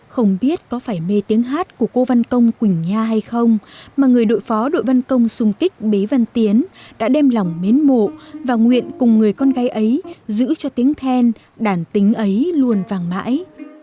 không biết có phải mê tiếng hát của cô văn công quỳnh nha hay không mà người đội phó đội văn công sung kích bế văn tiến đã đem lòng mến mộ và nguyện cùng người con gái ấy giữ cho tiếng then đàn tính ấy luôn vàng mãi